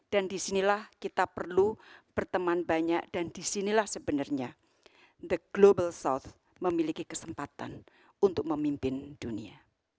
dan disinilah kita perlu berteman banyak dan disinilah sebenarnya the global south memiliki kesempatan untuk memimpin dunia